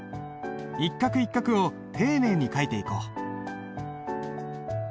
一画一画を丁寧に書いていこう。